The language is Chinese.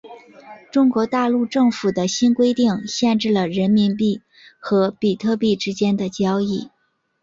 中国大陆政府的新规定限制了人民币和比特币之间的交易。